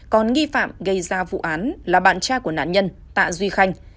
còn nghi phạm gây ra vụ án là bạn tra của nạn nhân tạ duy khanh